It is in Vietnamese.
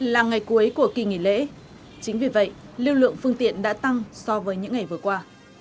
là ngày cuối của kỳ nghỉ lễ chính vì vậy lưu lượng phương tiện đã tăng so với những ngày vừa qua